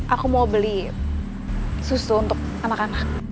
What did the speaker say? aku mau beli susu untuk anak anak